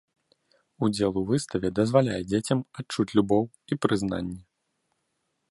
Удзел у выставе дазваляе дзецям адчуць любоў і прызнанне.